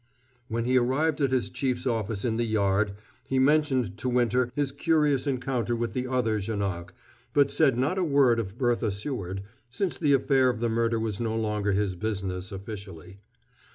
When he arrived at his Chief's office in the Yard, he mentioned to Winter his curious encounter with the other Janoc, but said not a word of Bertha Seward, since the affair of the murder was no longer his business, officially.